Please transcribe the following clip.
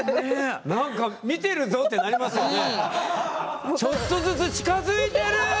なんか見てるぞってなりますよね。